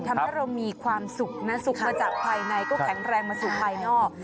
ทำให้เรามีความสุขนะสุขมาจากภายในก็แข็งแรงมาสู่ภายนอก